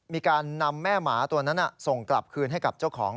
มีการนำแม่หมาตัวนั้นส่งกลับคืนให้กับเจ้าของ